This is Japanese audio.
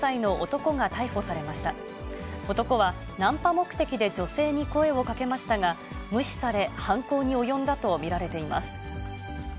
男は、ナンパ目的で女性に声をかけましたが、無視され、犯行に及んだと見られています。